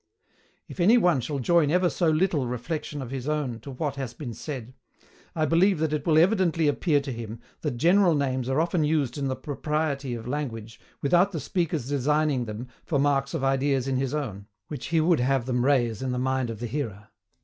If any one shall join ever so little reflexion of his own to what has been said, I believe that it will evidently appear to him that general names are often used in the propriety of language without the speaker's designing them for marks of ideas in his own, which he would have them raise in the mind of the hearer.